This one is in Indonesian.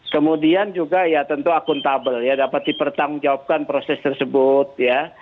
kemudian juga tentu akuntabel dapat dipertanggungjawabkan proses tersebut